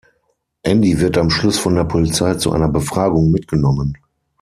Andy wird am Schluss von der Polizei zu einer Befragung mitgenommen.